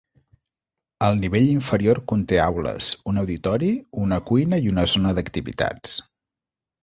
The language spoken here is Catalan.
El nivell inferior conté aules, un auditori, una cuina i una zona d'activitats.